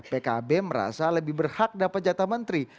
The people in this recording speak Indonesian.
pkb merasa lebih berhak dapat jatah menteri